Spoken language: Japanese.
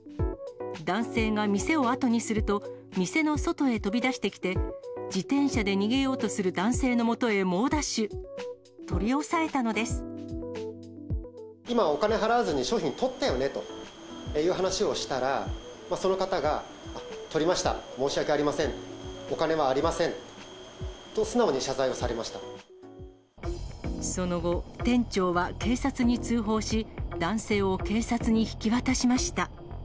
男性が店を後にすると、店の外へ飛び出してきて、自転車で逃げようとする男性のもとへ猛ダッシュ、取り押さえたの今、お金払わずに商品とったよね？という話をしたら、その方が、とりました、申し訳ありません、お金はありませんと、その後、店長は警察に通報し、男性を警察に引き渡しました。